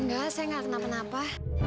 enggak saya enggak kenapa kenapa